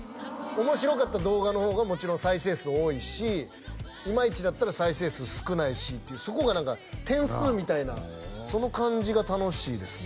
面白かった動画の方がもちろん再生数多いしいまいちだったら再生数少ないしっていうそこが何か点数みたいなその感じが楽しいですね